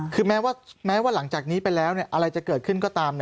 คือแม้ว่าหลังจากนี้ไปแล้วอะไรจะเกิดขึ้นก็ตาม